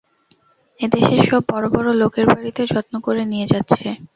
এদেশের সব বড় বড় লোকের বাড়ীতে যত্ন করে নিয়ে যাচ্ছে।